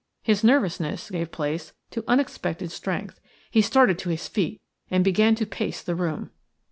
His nervousness gave place to unexpected strength. He started to his feet and began to pace the room.